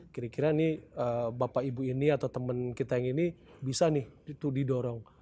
kira kira ini bapak ibu ini atau teman kita ini bisa nih didorong